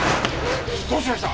どうしました！？